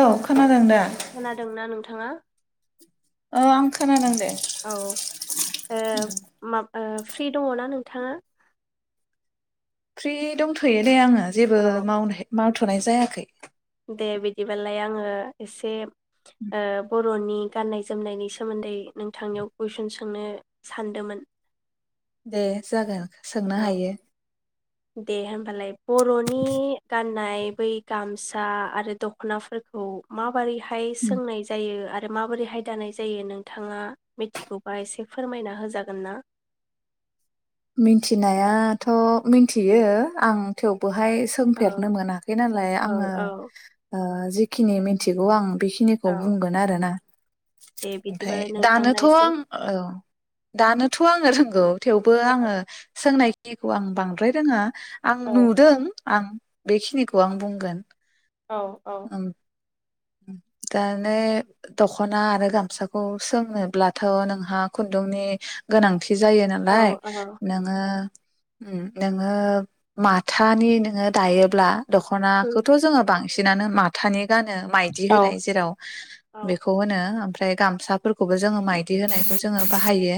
औ खोनादोंं दा? खोनादोंना नोंथाङा औ आं खोनादों दे औ ओ मा ओ फ्रि दङ ना नोंथाङा? फ्रि दंथ'यो दे आङो। जेबो औ मावनो थ'नाय जायाखै दे बिदिबालाय आङो एसे बर'नि गाननाय जोमनायनि सोमोन्दै नोंथांनियाव कुइसन सोंनो सानदोंमोन? दे जागोन। सोंनो हायो। दे होमबालाय बर'नि गाननाय बै गामसा आरो दख'नाफोरखौ मा मारैहाय सोंनाय जायो आ आरो माबोरैहाय दानाय जायो नोंथाङा मिथिगौबा एसे फोरमायना होजागोन ना? मिथिनायाथ' मिथियो। आं थेव बहाय औ सोंफेरनो मोनाखै नालाय औ आङो औ ओ जिखिनि मिथिगौ आं बेखिनिखौ औ बुंगोन आरोना। दे ओमफ्राय बिदिबालाय नोंथाङा दानोथ' एसे आं औ दानोथ' आङो रोंगौ थेव बा आङो सों नायखिखौ आं बांद्राय रोङा। आं औ नुदों। आं बेखिनिखौ आं बुंगोन। औ औ उम दानो दख'ना आरो गामसाखौ सोंनोब्लाथ' नोंहा खुन्दुंनि गोनां थि जायो औ नालाय औ नोङो नोङो माथानि नोङो दायोब्ला उम दख'नाखौथ' जोङो बां बांसिनानो माथानि गानो। माइदि औ होनाय जेराव औ बेखौ होनोम? ओमफ्राय गामसाफोरखौबो जोङो माइदि होनायखौ जोङो बाहायो।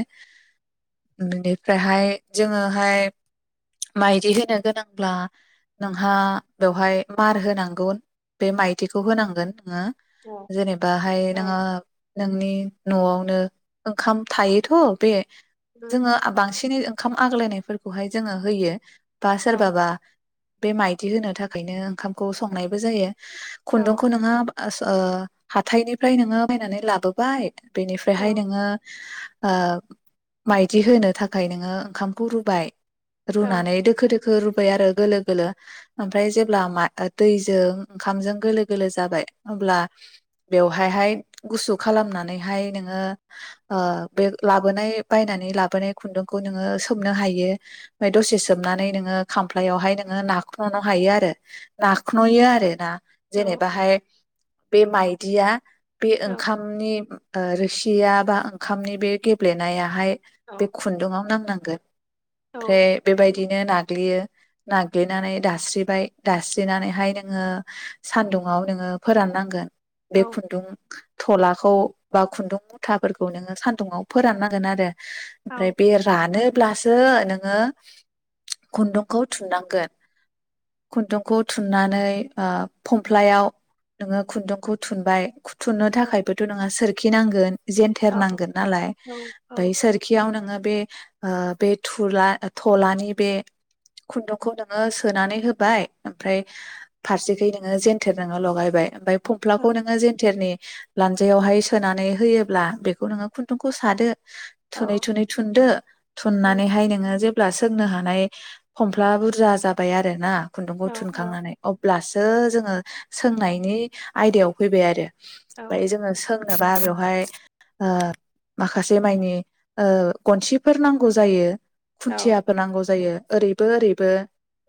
बेनिफ्रायहाय जोङोहाय माइदि होनो गोनांब्ला नोंहा बेवहाय मार होनांगौ बे माइदिखौ होनांगोन। ओ उम जेनेबाहाय औ नोङो नोंनि न'आवनो ओंखाम थायोथ' बे जोङो बांसिन बिनि ओंखाम आग्लायनायफोरखौहाय जोङो होयो। बा औ सोरबाबा बे माइदि होनो थाखायनो ओंखामखौ संनायबो जायो। औ खुन्दुंखौ नोङो ओ स हाथायनिफ्राय नोङो बायनानै लाबोबाय बेनिफ्रायहाय नोङो ओ माइदि होनो थाखाय नोङो ओंखामखौ रुबाय। रुनानै दोखो दोख रुबाय आरो गोलो गोलो ओमफ्राय जेब्ला मा दैजों ओंखामजों गोलो गोलो जाबाय अब्ला बेवहायहाय गुसु खालामनानैहाय नोङो ओ बे लाबोनाय बायनानै लाबोनाय खुन्दुंखौ नोङो सोमनो हायो ओमफ्राय दसे सोमनानै नोङो खामफ्लायावहाय नोङो नाखन'नो हायो आरो नाखन'यो आरो ना। औ औ औ उम जेनेबाहाय बे माइदिया बे औ ओंखामनि ओ रोसिया बा ओंखामनि बे गेब्लेनायाहाय औ बे औ खुन्दुंआव नांनां गोन ओमफ्राय बेबायदि बिदिनो नाग्लियो नाग्लिनानै दास्रिबाय दास्रिनानैहाय नोङो सानदुङाव नोङो फोराननांगोन बे खुन्दुं थलाखौ बा खुन्दुं मुथाफोरखौ नोङो सान्दुङाव फोराननांगोन आरो ओमफ्राय बे रानो अब्लासो नोङो खुन्दुंखौ थुननांगोन खुन्दुंखौ थुननानै ओ फमफ्लायाव नोङो खुन्दुंखौ थुनबाय थुननो थाखायबोथ' नोङो सोर लाखिनांगोन जेेनथेर नांगोन नालाय ओमफ्राय सोरखियाव नोङो बे ओ बे थुला थलानि बे खुन्दुंखौ नोङो सोनानै होबाय ओमफ्राय फारसेखै नोङो जेन्थेर नोङो लगाय बाय ओमफाय फुमफ्लाखौ नोङो जेन्थेरनि लान्जायावहाय सोनानै होयोब्ला बेखौ नोङो खुन्दुंखौ सादो थुनै थुनै थुनदो औ थुननानैहाय नोङो जे जेब्ला सोंनो हानाय फमफ्ला बुरजा जाबाय आरो ना खुन्दुंखौ थुनखांनानै अब्लासो ओ जोङो सोंनाय नि आयदायाव फैबाय आरो औ ओमफ्राय औ जोङो सों नोबा बेवहाय ओ माखासे मानि ओ गनसिफोर नांगौ जायो औ खुन्थियाफोर नांगौ जायो ओरैबो ओरैबो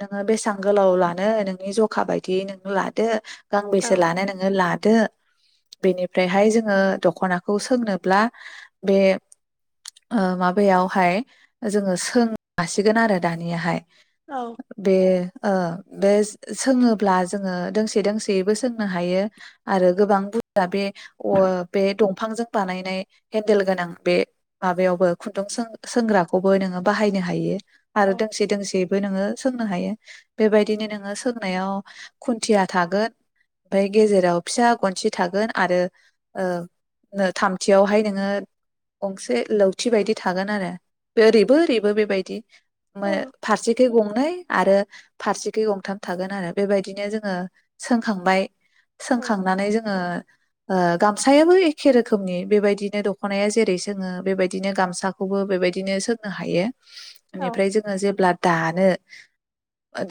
नोङो बेसां गोलाव लानो नोंनि ज अखा बायदियै नोंनो लादो गांबेसे लानो नोङो ला दो बेनिफ्रायहाय जोङो दखनाखौ सोंनोब्ला बे माबायावहाय जोङो सोंनो हासिगोन आरो दानियाहाय। बे बे सोङोब्ला जोङो दोंसे दोंसे यैबो सोंनो हायो आरो गोबां बुरजा बे बे दंफांजों बानायनाय हेन्देल गोनां बे माबायावबो खुन्दुं सों सोंग्राखौबो नोङो बाहायनो हायो। आरो दोंसे दोंसे बो नोङो सोंनो हायो बेबायदिनो नोङो सोंनायाव खुन्थिया थागोन। ओमफ्राय गेजेराव फिसा गनसे थागोन आरो थामथियावहाय नोङो गंसे लावथि बायदि थागोन आरो। ओरैबो ओरैबो बेबायदि फारसेथिं गंनै। आरो फारसेखै गंथाम थागोन आरो बेबायदिनो जोङो सोंखांबाय। सोंखांनानै जोङो गामसायाबो एखे रोखोमनि बेबायदिनो दख'नाया जेरै सोङो बेबायदिनो गामसाखौबो बेबायदिनो सोंनो हायो। बेनिफ्राय जोङो जेब्ला दा नो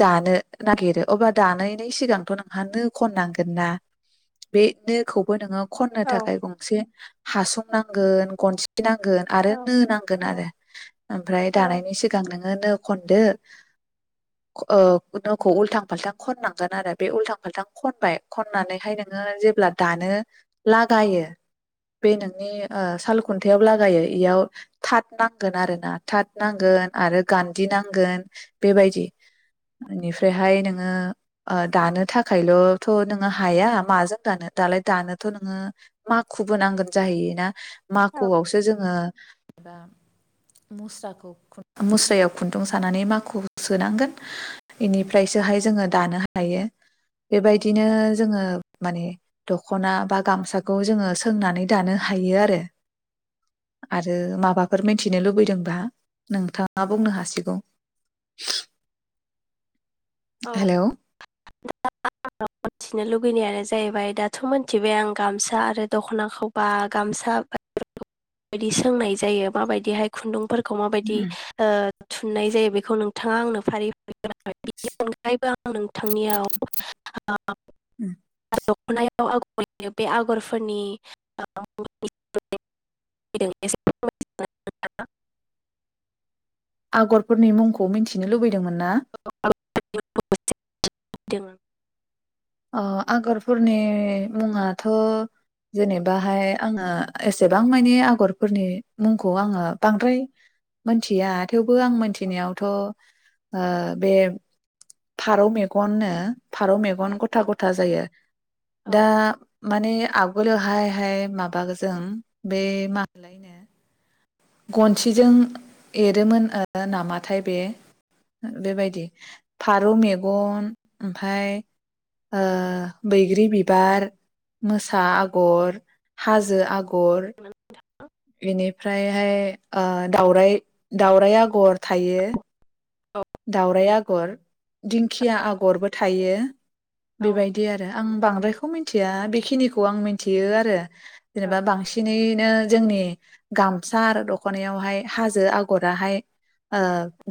दानो नागिरो अब्ला दानायनि सिगांथ' नांग आ नो खननांगोन ना बे नोखौबो नोङो। खननो थाखाय गंसे हासंनांगोन गनसे नांगोन आरो नो नांगोन आरो ओमफ्राय दानायनि सिगां नो खदोखौ उलथां फाल्थां खननांगोन आरो बे उल फाल्थां खनबाय खननानैहाय नोङो जेब्ला दानो लागायो बे नोंनि सालखुन्थायाव लागायो इयाव थाथ नांगोन आरो ना थाथ नांगोन आरो गान्दि नांगोन बेबायदि बेनिफ्रायहाय नोङो दानो थाखाय थाखायल'थ' नोङो हाया माजों दानो दालाय दानोथ' नोङो मााखुबो नांगोन जाहैयोना। माखुआवसो जोङो एबा मुस्राखौ मुस्रायाव खुन्दुं सानानै माखुखौ सोनांगोन बेनिफ्रायसोहाय जोङो दानो हायो। बेबायदिनो जोङो माने दख'ना बा गामसाखौ जोङो सोंनानै दानो हायो आरो आरो माबाफोर मिथिनो लुबैदोंबा नोंथाङा बुंनो हासिगौ। हेल'। [inaudible] मिथिनो लुुबैनायानो जाहैबाय दाथ' मिथिबाय आं गामसा आरो दख'नाखौ बा गामसा माबदि सोंनाय जायो माबायदिहाय खुन्दुं [inaudible] खौ मा बायदि थुननाय जायो बेखौ नोंथाङा आंनो फारि [inaudible] [inaudible] आं नोंथांनियाव [inaudible] दखनायाव आगर एरो बे आगरफोरनि [inaudible] आगरफोरनि मुंखौ मिनथिनो लुबैदोंमोन ना? [inaudible] ओ आगरफोरनि मुङाथ' जेनेबाहाय आङो एसेबां मानि आगरफोरनि मुंखौ आङो बांद्राय मोनथिया थेव बो आं मोनथिनायावथ' ओ बे फारौ मेगननो फारौ औ मेगन गथ गथा गथा जायो औ दा माने आग बोलो हाय हाय माबागो जों बे माहोनलायनो गनसिजों एरोमोन ओ नामाथाय बे बेबायदि फारौ मेगन ओमफाय ओ बैग्रि बिबार, मोसा आगर हाजो आग गर बेनिफ्रायहाय ओ दाउराइ दाउराइ आगर थायो। दाउराइ आगर, दिंखिया आगरबो थायो। औ बेबायदि आरो आं बां बेखौ मिनथिया बेखिनिखौ आं मिनथियो आरो जेनेबा बांसिनैनो जोंनि गामसा आरो दखनायावहाय हाजो आगराहाय ओ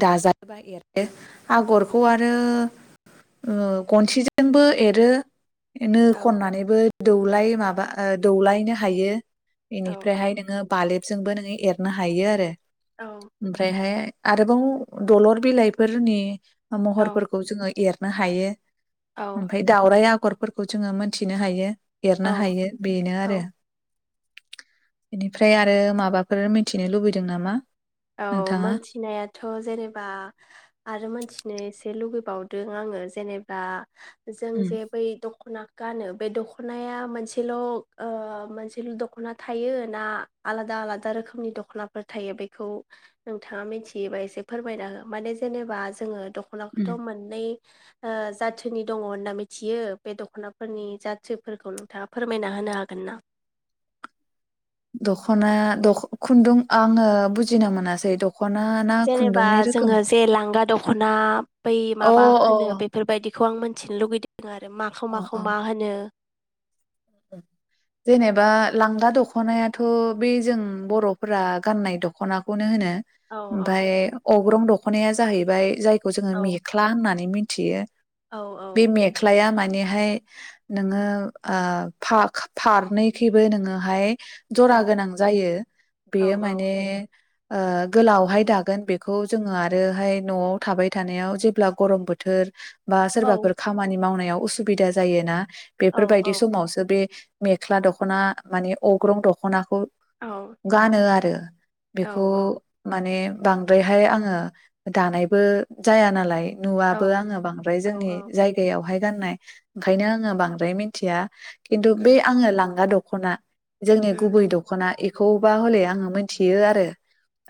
दाजा योबा एरो। आगरखौ आरो उम गनथिजोंबो एरो। नो औ खननानैबो दौलाय माबा ओ दौलायनो हायो। औ बेनिफ्रायहाय नोङो बालेबजोंबो नोङो एर नो हायो आरो। ओमफ्रायहाय आरोबाव दलर बिलाइफोरनि महरफोरखौ जोङो एर नो हायो। ओमफाय दाउराय आग गरफोरखौ जोङो मोनथिनो हायो। औ एरनो हायो बेनो औ आरो। बेनिफ्राय आरो माबाफोर मिथिनो लुबैदों नामा औ नोंथाङा मोनथिनायाथ' जेनेब बा आरो मोनथिनो एसे लुबैबावदों आङो जेनेबा जों उम जे बै दखना गानो बे दखनाया मोनसेल' ओ मोनसेल' दख'ना थायो ना आलादा आलादा रोखोमनि दख'नाफोर थायो, बे खौ नोंथाङा मिथियोबा एसे फोरमायना हो? माने जेनेबा जोङो उम दखनाखौथ' मोननै ओ जाथोनि दङ होनना मिथियो बे दखनाफोरनि जाथोफोरखौ नोंथाङा फोरमायना होनो हागोन ना? दखना दख खुन्दुं आङो बुजिनो मोनासै दख जेनेबा जोंङो जे लांगा दखन ना बै अ माबा अ होनो बेफोरबायदि बेखौ आं मोनन्थिनो लुगैदो। आरो माखौ अ माखौ मा अ होनो जेनेबा लांगा दखनायाथ' बे जों बर'फोरा गाननाय दखनाखौनो होनो। औ ओमफाय अग्रं दख दखनाया जाहैबाय जाय खौ जोंङो औ मेख्ला होननानै मि थियो। औ बे औ मेख्लाया मा मानेहाय नोंङो आ फाख-फारनैखैबो नोंङोहाय औ जरा गोनां जायो औ बेयो माने ओ गोलावहाय दागोन बेखौ जोंङो आरोहाय न'आव थाबाय थानायाव जेब्ला गरम बोथोर बा औ सोरबाफोर खामानि मावनायाव उसुबिदा जायोना। औ बेफोरबायदि औ समावस बे मेख्ला दखना माने अग्रं दखनाखौ गानो आरो औ बेखौ माने बांद्रायहाय आंङो दानायबो जाया नालाय। नुवाबबो आंङो बांद्राय औ जोंनि जायगायावहाय गाननाय ओंखायनो आंङो बांद्राय मिथिया। खिन्थु उम बे आङो लांगा दख खना जोंनि उम गुबै दखना बेखौबा हले आंङो मिथियो आरो।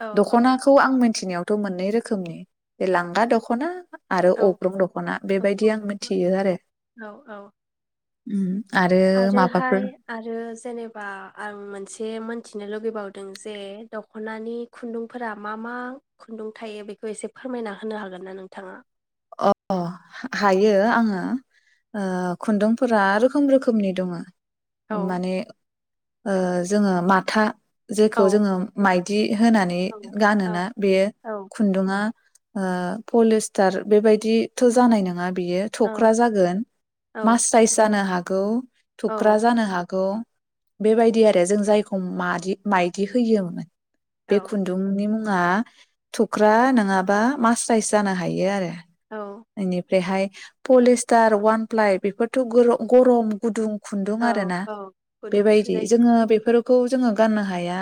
औ औ दखनाखौ आं मिथिनायाव थ मोननै रोखोमनि बे लांगा दखना आरो औ अग्रं दखना बेबायदि दख'ना आं दख'ना मिथियो आरो। औ औ उम आरो माबाफोर आरोहाय आरो जेनेबा आं मोनसे मोनथि थिनो लुुबैबावदों जे दख'नानि खुन्दुंफोरा मा मा खुन्दुं थायो बेखौ एसे फोरमायना होनो हागोन ना नोंथाङा? अ हायो आङो खुन्दुंफोरा रोखोम रोखोमनि दङ। औ माने ओ जोङो माथा जेखौ औ जोङो माइ होनानै औ औ गानोना बेयो औ खुन्दुङा ओ पलिस्टार बेबायदिथ' जानाय नङा बियो थख्रा औ जागोन औ मास्राइस जानो हाग गौ थुख्रा औ जानो हागौ बेबायदि आरो जों जायखौ मादि मायदि होयोमोन बे औ खुन्दुंनि मुं ङा थुख्रा नोङाबा मास्राइस जानो हायो आरो औ फायहाय पलिस्टार वानप्लाइ बेफोरथ' गरम गुदुं खुन्दुं आरो औ ना औ गुदुंसो बेबायदि जायो जोङो बेफोर खौ जोङो गाननो हाया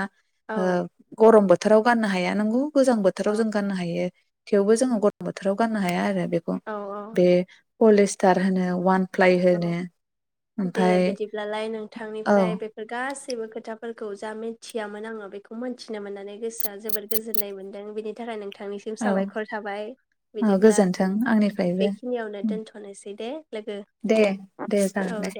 ओ औ गरम बोथोर बोथोराव गाननो हाया नंगौ गोजां बोथोराव औ जों गाननो हायो थेवबो जोङो गरम बोथोराव गाननो हाया आरो बेखौ औ औ बे पलिस्टार होनो वान प्लाइ औ होनो दे ओमफाय बिदिब्लालाय औ नोंथांनिफ्राय बेफोर गासै गासैबो खोथाफोरखौ जा मिन्थियामोन आङो बेखौ मोनथिनो मोननानै गोसोआ जोबोर गोजोननाय मोनदों बिनि थाखाय नों नोंथांनिसिम औ साबायखर थाबाय औ बिदिब्ला गोजोन्थों आंनिफ्रायबो बेखिनियावनो दोनथ'नोसै दे लोगो दे-दे जागोन दे